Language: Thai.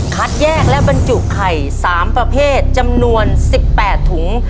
คัดแยกและบรรจุไข่สามประเภทจำนวนสิบแปดถุง